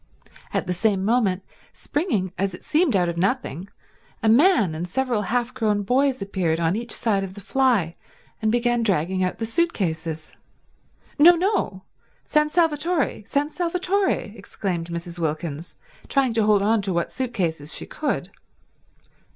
At the same moment, springing as it seemed out of nothing, a man and several half grown boys appeared on each side of the fly and began dragging out the suit cases. "No, no—San Salvatore, San Salvatore"—exclaimed Mrs. Wilkins, trying to hold on to what suit cases she could.